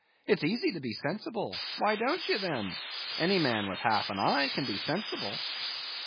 it's easy to be sensible; why don't ye, then? any man with half an eye can be sensible."